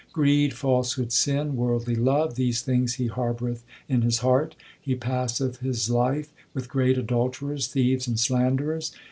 Greed, falsehood, sin, worldly love, these things he har boureth in his heart. He passeth his life with great adulterers, thieves, and slanderers.